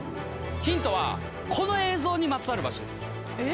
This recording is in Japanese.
ヒントはこの映像にまつわる場所です！え？